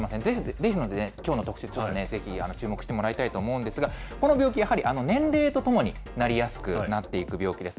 ですので、きょうの特集、ぜひ注目してもらいたいと思うんですが、この病気、やはり年齢とともになりやすくなっていく病気です。